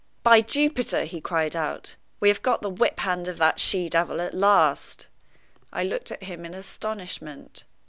"By Jupiter!" he cried out, "we have got the whip hand of that she devil at last." I looked at him in astonishment.